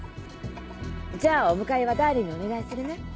じゃあお迎えはダーリンにお願いするね。